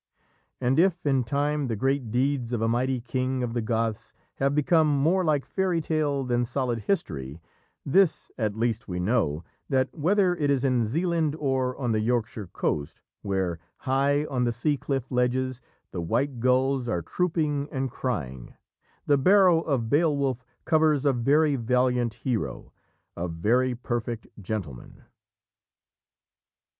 And if, in time, the great deeds of a mighty king of the Goths have become more like fairy tale than solid history, this at least we know, that whether it is in Saeland or on the Yorkshire coast where "High on the sea cliff ledges The white gulls are trooping and crying" the barrow of Beowulf covers a very valiant hero, a very perfect gentleman.